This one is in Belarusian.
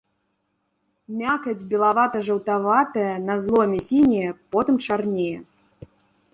Мякаць белавата-жаўтаватая, на зломе сінее, потым чарнее.